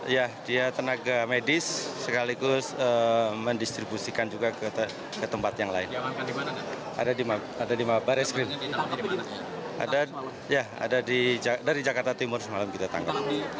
ya ada di jakarta timur semalam kita tangkap